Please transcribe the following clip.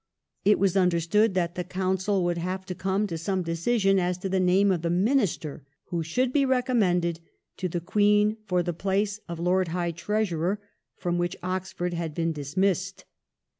It was understood that the Council would have to come to some decision as to the name of the Minister who should be recommended to the Queen for the place of Lord High Treasurer from which Oxford had been dismissed.